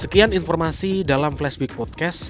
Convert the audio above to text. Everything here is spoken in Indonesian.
sekian informasi dalam flash week podcast